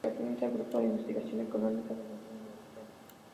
Pertenece al grupo de investigación Economía de la Unión Europea.